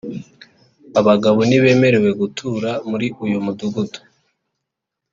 Abagabo ntibemerewe gutura muri uyu mudugudu